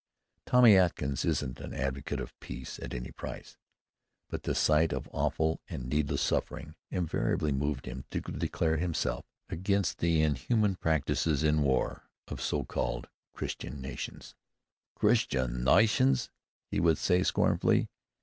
Tommy Atkins isn't an advocate of "peace at any price," but the sight of awful and needless suffering invariably moved him to declare himself emphatically against the inhuman practices in war of so called Christian nations. "Christian nations!" he would say scornfully.